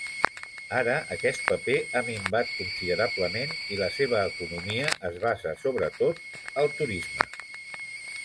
Ara aquest paper ha minvat considerablement i la seva economia es basa sobretot al turisme.